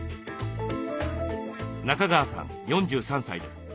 中川さん４３歳です。